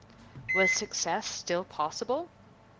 Was success still possible?